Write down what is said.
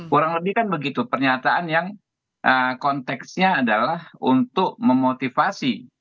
kurang lebih kan begitu pernyataan yang konteksnya adalah untuk memotivasi